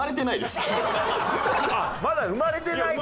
あっまだ生まれてないか！